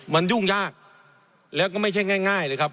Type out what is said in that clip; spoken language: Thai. มันยุ่งยากแล้วก็ไม่ใช่ง่ายเลยครับ